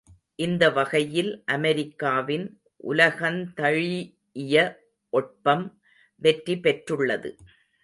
இந்த வகையில் அமெரிக்காவின் உலகந்தழீஇய ஒட்பம் வெற்றி பெற்றுள்ளது.